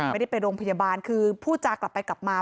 ไม่ได้ไปโรงพยาบาลคือผู้ชากลับไปกลับมา